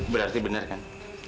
berarti bener kan